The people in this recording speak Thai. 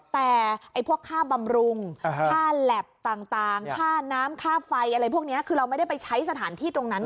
แต่พวกค่าบำรุงค่าแล็บต่างค่าน้ำค่าไฟอะไรพวกนี้คือเราไม่ได้ไปใช้สถานที่ตรงนั้น